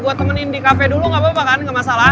buat temenin di kafe dulu gak apa apa kan gak masalah